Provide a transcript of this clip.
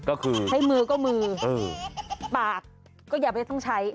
ก็คือให้มือก็มือเออปากก็อย่าไปต้องใช้